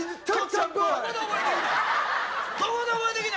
どこで覚えてきた？